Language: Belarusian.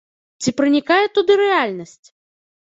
Ці пранікае туды рэальнасць?